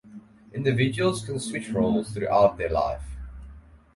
Individuals can switch roles throughout their life.